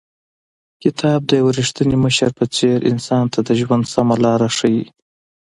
کتاب د یو رښتیني مشر په څېر انسان ته د ژوند سمه لار ښیي.